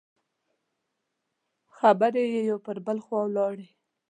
خبرې پر بل خوا لاړې.